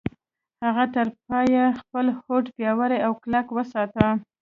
هغه تر پايه خپل هوډ پياوړی او کلک وساته.